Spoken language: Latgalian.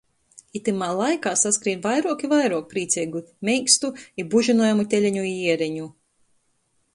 Itymā laikā saskrīn vairuok i vairuok prīceigu, meikstu i bužynojamu teleņu i jiereņu.